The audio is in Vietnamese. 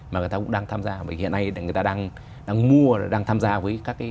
mà người ta cũng đang tham gia